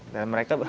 dan mereka berhasil